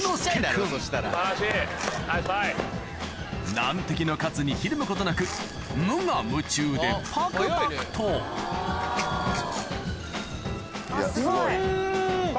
難敵のカツにひるむことなく無我夢中でパクパクとうん！